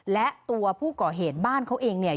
และตัวผู้ก่อเหตุบ้านเขาเองเนี่ย